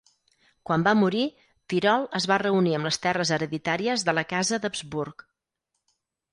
Quan va morir, Tirol es va reunir amb les terres hereditàries de la casa d'Habsburg.